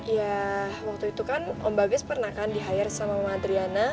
ya waktu itu kan om bagas pernah kan di hire sama mamah adriana